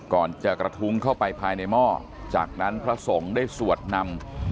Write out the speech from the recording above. ก่อนจะกระทุ้งเข้าไปภายในหม้อจากนั้นพระสงฆ์ได้สวดนำ